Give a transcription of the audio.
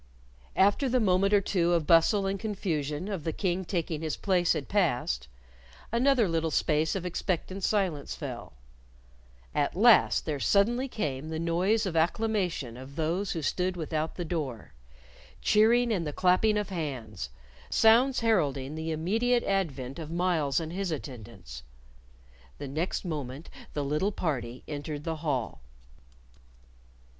After the moment or two of bustle and confusion of the King taking his place had passed, another little space of expectant silence fell. At last there suddenly came the noise of acclamation of those who stood without the door cheering and the clapping of hands sounds heralding the immediate advent of Myles and his attendants. The next moment the little party entered the hall.